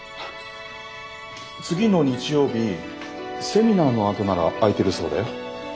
次の日曜日セミナーのあとなら空いてるそうだよ。